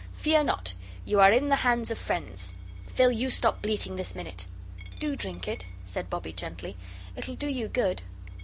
"Fear not, you are in the hands of friends. Phil, you stop bleating this minute." "Do drink it," said Bobbie, gently; "it'll do you good."